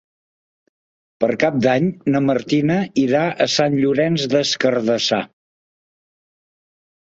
Per Cap d'Any na Martina irà a Sant Llorenç des Cardassar.